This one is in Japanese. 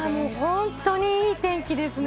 本当にいい天気ですね！